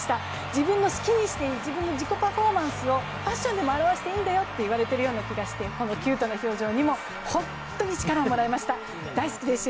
自分の好きにしていい、自分の自己パフォーマンスをファッションでもあらわしていいんだよと言われている気がしてこのキュートな表情にも本当に力をもらいました、大好きです